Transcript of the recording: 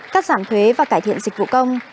cắt giảm thuế và cải thiện dịch vụ công